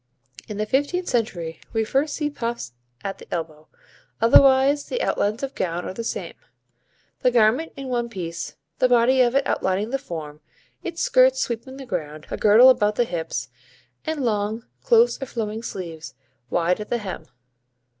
In the fifteenth century we first see puffs at the elbow, otherwise the outlines of gown are the same. The garment in one piece, the body of it outlining the form, its skirts sweeping the ground; a girdle about the hips, and long, close or flowing sleeves, wide at the hem.